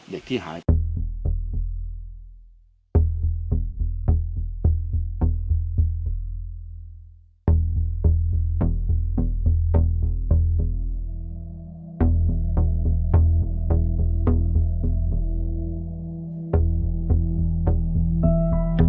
เด็กที่หายไป